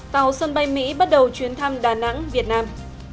tàu sân bay mỹ bắt đầu chuyến thăm đà nẵng việt nam